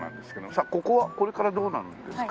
さっここはこれからどうなるんですか？